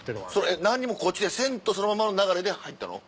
何にもこっちでせんとそのままの流れで入ったの？